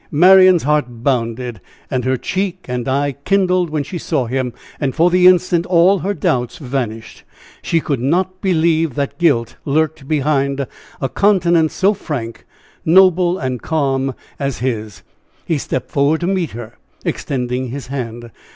Marian's heart bounded, and her cheek and eye kindled when she saw him, and, for the instant, all her doubts vanished she could not believe that guilt lurked behind a countenance so frank, noble and calm as his. He stepped forward to meet her, extending his hand.